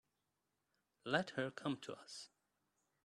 Let her come to us.